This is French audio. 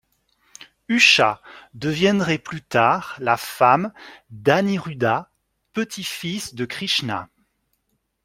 Usha deviendrait plus tard la femme d'Aniruddha, petit-fils de Krishna.